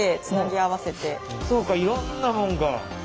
そうかいろんなものが。